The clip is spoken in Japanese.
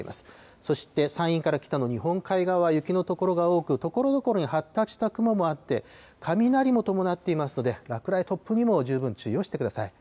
そして、山陰から北の日本海側、雪の所が多く、ところどころに発達した雲もあって、雷も伴っていますので、落雷、突風にも十分注意をしてください。